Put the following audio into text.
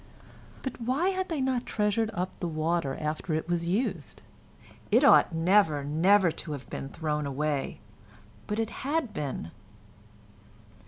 But why had they not treasured up the water after it was used? It ought never, never to have been thrown away, but it had been.